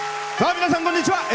皆さん、こんにちは。